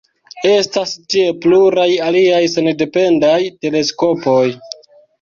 Estas tie pluraj aliaj sendependaj teleskopoj.